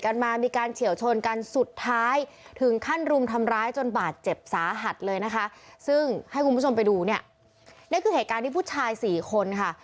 นี่คือเหตุการณ์ที่ผู้ชาย๔คนนะค่ะ